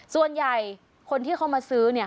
ส่วนใหญ่คนที่เขามาซื้อเนี่ย